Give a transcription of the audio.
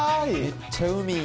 めっちゃ海。